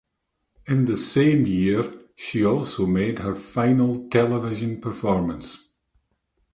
In the same year she also made her final television performance.